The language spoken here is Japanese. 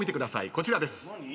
こちらです。